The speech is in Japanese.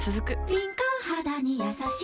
敏感肌にやさしい